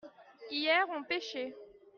hier on pêchait.